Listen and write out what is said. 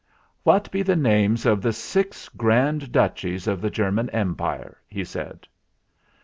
"What be the names of the six Grand Duchies of the German Empire ?" he said.